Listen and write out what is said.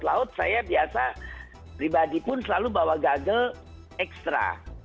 laut saya biasa pribadi pun selalu bawa gagal ekstra